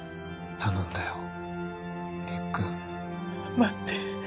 待って！